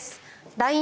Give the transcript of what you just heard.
ＬＩＮＥ